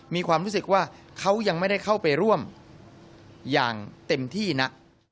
มีความรู้สึกว่าเขายังไม่ได้เข้าไปร่วมอย่างเต็มที่นะ